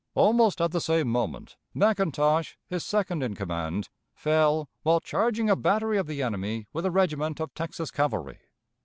Almost at the same moment, McIntosh, his second in command, fell while charging a battery of the enemy with a regiment of Texas cavalry.